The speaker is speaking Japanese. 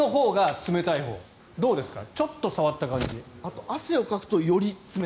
ツルツルのほうが冷たいほうどうですか。